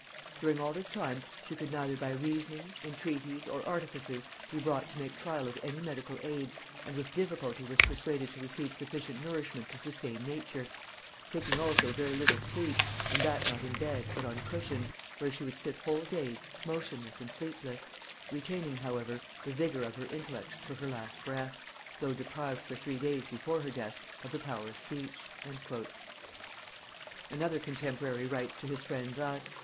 During all this time she could neither by reasoning, entreaties, or artifices be brought to make trial of any medical aid, and with difficulty was persuaded to receive sufficient nourishment to sustain nature; taking also very little sleep, and that not in bed, but on cushions, where she would sit whole days motionless and sleepless; retaining however the vigor of her intellect to her last breath, though deprived for three days before her death of the power of speech." Another contemporary writes to his friend thus....